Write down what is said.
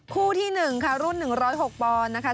คู่ที่๑ค่ะรุ่น๑๐๖ปอนด์นะคะ